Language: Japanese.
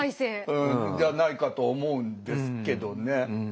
うんじゃないかと思うんですけどね。